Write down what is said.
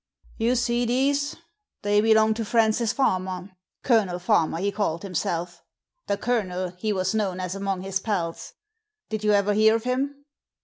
"'VT'OU see these? They belong to Francis X Farmer; Colonel Farmer he called himself; the Colonel he was known as among his pals. Did you ever hear of him